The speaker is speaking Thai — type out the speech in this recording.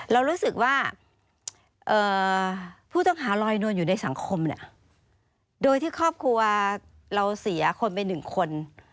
เรารู้สึกว่าผู้ต้องหาลอยนวลอยู่ในสังคมเนี่ยโดยที่ครอบครัวเราเสียคนไปหนึ่งคน